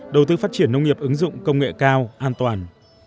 đầu tư phát triển nông nghiệp ứng dụng công nghệ cao an toàn